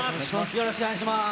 よろしくお願いします。